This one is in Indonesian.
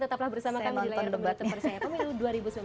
tetaplah bersama kami di layar pemilu terpercaya pemilu dua ribu sembilan belas